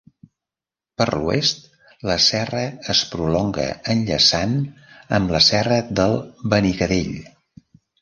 Per l'oest, la serra es prolonga enllaçant amb la serra del Benicadell.